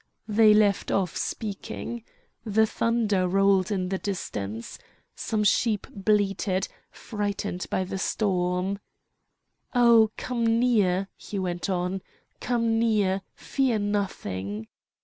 They left off speaking. The thunder rolled in the distance. Some sheep bleated, frightened by the storm. "Oh! come near!" he went on, "come near! fear nothing!